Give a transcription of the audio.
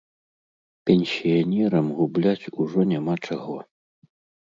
Пенсіянерам губляць ужо няма чаго.